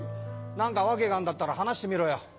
何か訳があるんだったら話してみろよ。